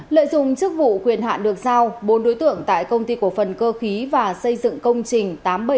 lợi dụng chức vụ quyền hạn được giao bốn đối tượng tại công ty cổ phần cơ khí và xây dựng công trình tám trăm bảy mươi bảy